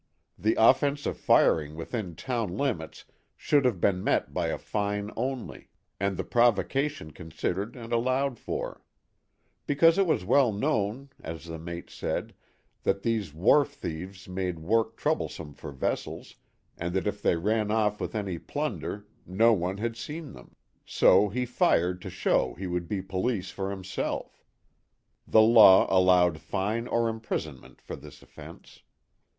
The offense of firing within town limits should have been met by a fine only, and the provocation considered and allowed for. Because it was THE HAT OF THE POSTMASTER. 147 well known, as the mate said, that these wharf thieves made work troublesome for vessels, and that if they ran off with any plunder " no one had seen them." So he fired to show he would be police for himself. The law allowed fine or imprisonment for this offense.